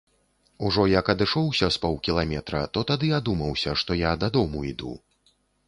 Ужо як адышоўся з паўкіламетра, то тады адумаўся, што я дадому іду.